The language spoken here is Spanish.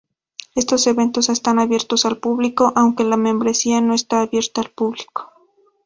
Estos eventos están abiertos al público, aunque la membresía no está abierta al público.